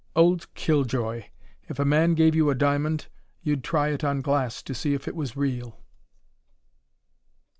"Old killjoy! If a man gave you a diamond you'd try it on glass to see if it was real."